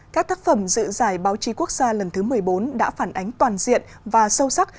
các tác phẩm dự giải báo chí quốc gia lần thứ một mươi bốn đã phản ánh toàn diện và sâu sắc